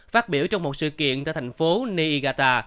phát biểu trong một sự kiện tại thành phố niigata